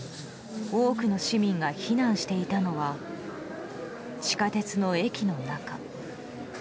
多くの市民が避難していたのは地下鉄の駅の中。